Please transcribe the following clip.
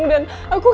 aku berjuang buat kamu